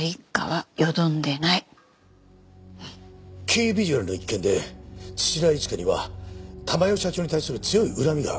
キービジュアルの一件で土田一花には珠代社長に対する強い恨みがあったようです。